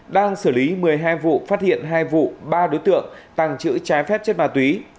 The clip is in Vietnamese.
đang xử lý một mươi hai vụ phát hiện hai vụ ba đối tượng tăng chữ trái phép trên bà túy